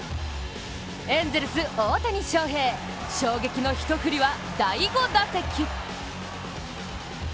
エンゼルス・大谷翔平、衝撃の一振りは第５打席。